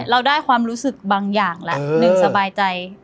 เราได้ความรู้สึกบางอย่างละหนึ่งสบายใจ